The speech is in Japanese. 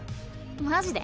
「マジで？